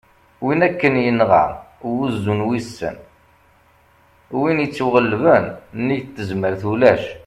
win akken yenɣa "wuzzu n wissen", win ittuɣellben : nnig tezmert d ulac